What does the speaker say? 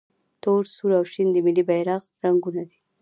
تور، سور او شین د ملي بیرغ رنګونه دي.